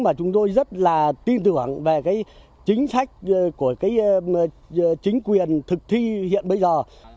và chúng tôi rất là tin tưởng về chính sách của chính quyền thực thi hiện bây giờ